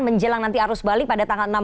menjelang nanti arus balik pada tanggal enam